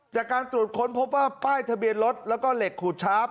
จากการตรวจค้นพบว่าป้ายทะเบียนรถแล้วก็เหล็กขูดชาร์ฟ